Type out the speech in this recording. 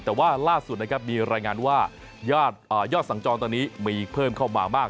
แต่ว่าล่าสุดนะครับมีรายงานว่ายอดสั่งจรตอนนี้มีเพิ่มเข้ามามาก